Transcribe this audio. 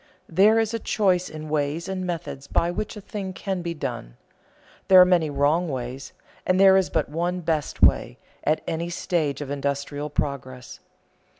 There is a choice in ways and methods by which a thing can be done. There are many wrong ways, there is but one best way, at any stage of industrial progress.